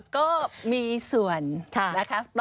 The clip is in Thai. ก็มีส่วนนะครับ